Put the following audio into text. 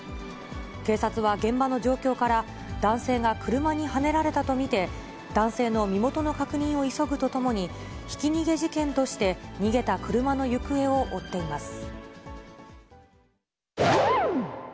警察は現場の状況から、男性が車にはねられたと見て、男性の身元の確認を急ぐとともに、ひき逃げ事件として、逃げた車の行方を追っています。